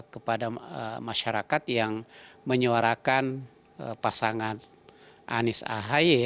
kepada masyarakat yang menyuarakan pasangan anies ahaye